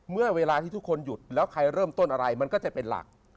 เมื่อเวลาที่ทุกคนหยุดแล้วใครเริ่มต้นอะไรมันก็จะเป็นหลัก